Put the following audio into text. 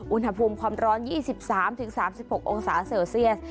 อุณหภูมิความร้อน๒๓๓๖องศาเซลเซียส